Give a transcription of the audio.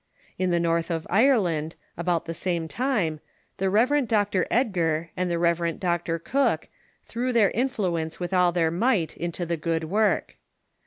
In the North of Ireland, about the same time, the Rev. Dr. Edgar and the Rev. Dr. Cook threw their influence Avith all their might into the good work.